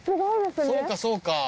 そうかそうか。